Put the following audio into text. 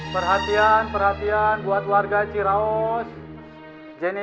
pembatasan awal kita sudah mulai